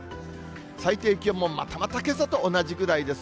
最低気温もまたまたけさと同じぐらいです。